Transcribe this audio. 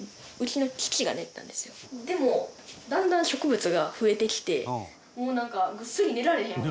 でもだんだん植物が増えてきてもうなんか「ぐっすり寝られへんわ」